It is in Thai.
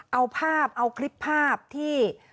เอาภาพเอาคลิปภาพที่